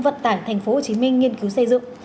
vận tải tp hcm nghiên cứu xây dựng